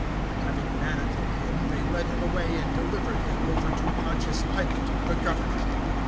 (2)And having bound him, they led him away, and delivered him up to Pontius Pilate the governor.